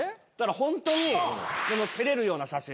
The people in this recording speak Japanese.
ホントに照れるような写真。